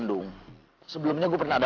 télé utiliser kepada